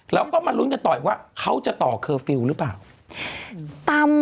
แล้วก็มาลุ้นกันต่ออีกว่าเขาจะต่อเคอร์ฟิลล์หรือเปล่า